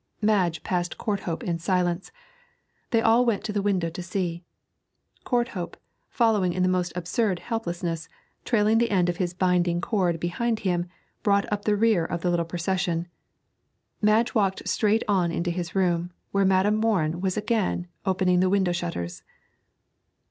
Madge passed Courthope in silence. They all went to the window to see; Courthope, following in the most absurd helplessness, trailing the end of his binding cord behind him, brought up the rear of the little procession. Madge walked straight on into his room, where Madam Morin was again opening the window shutters.